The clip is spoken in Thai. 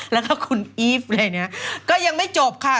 แล้วก็คุณอีฟอะไรเนี่ยก็ยังไม่จบค่ะ